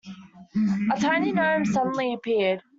A tiny gnome suddenly appeared.